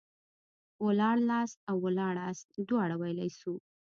ولاړلاست او ولاړاست دواړه ويلاى سو.